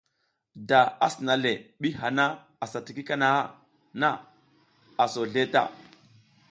Da a sina le ɓi hana asa tiki kahana na, a so zleʼe ta.